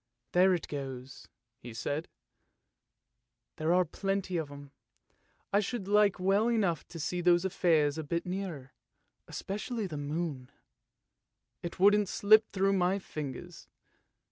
" There it goes! " he said; " there are plenty of them. I should like well enough to see those affairs a bit nearer, especially the moon; it wouldn't slip through my fingers.